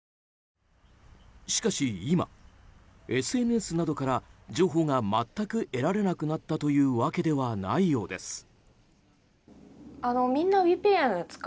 しかし今、ＳＮＳなどから情報が全く得られなくなったというわけではないようです。